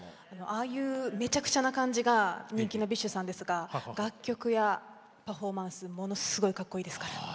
ああいうめちゃくちゃな感じが人気のＢｉＳＨさんですが楽曲やパフォーマンスがものすごく格好いいですから。